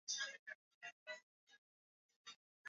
kuwa Jamhuri ya Muungano wa Tanzania